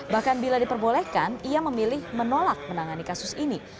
bahkan bila diperbolehkan ia memilih menolak menangani kasus ini